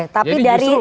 tapi dari tujuh ratus